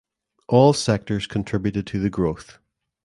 All sectors contributed to the growth.